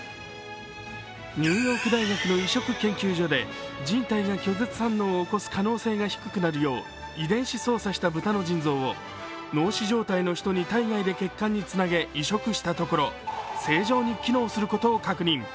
ニューヨーク大学の移植研究所で人体が拒絶反応を起こす可能性が低くなるよう遺伝子操作した豚の腎臓を脳死状態の人に体外で血管につなげ移植したところ正常に機能することを確認。